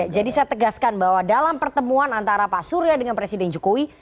jadi saya tegaskan bahwa dalam pertemuan antara pak surya dengan presiden jokowi